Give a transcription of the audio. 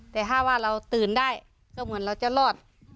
แต่ถ้าว่าเราตื่นได้ก็เหมือนเราจะรอด